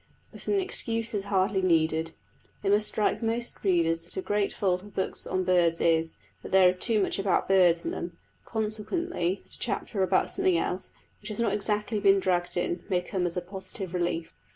But an excuse is hardly needed. It must strike most readers that a great fault of books on birds is, that there is too much about birds in them, consequently that a chapter about something else, which has not exactly been dragged in, may come as a positive relief.